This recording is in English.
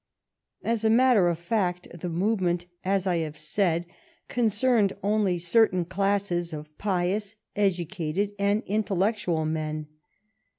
As a matter of fact, the movement, as I have said, concerned only certain classes of pious, educated, and intellectual men.